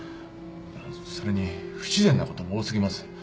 それに不自然なことも多過ぎます。